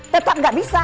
tetap gak bisa